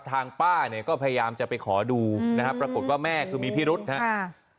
ทางป้าเนี่ยก็พยายามจะไปขอดูนะครับปรากฏว่าแม่คือมีพิรุษครับ